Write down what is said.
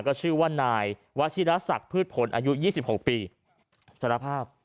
ก็ชื่อว่านายวัชินศักดิ์พืชผลอายุยี่สิบหกปีสารภาพ